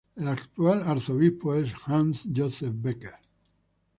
El actual arzobispo es Hans-Josef Becker.